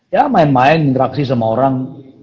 ya main main interaksi sama orang